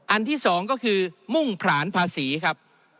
อันที่๒ก็คือมุ่งผลานภาษีครับ